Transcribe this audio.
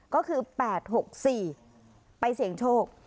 ก็คือ๘๖๔ไปเสี่ยงโชค